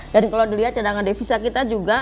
dan kalau dilihat cadangan defisit kita juga